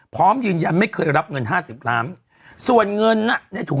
พร้อมยืนยำไม่เคยรับเงิน๕๐ล้าน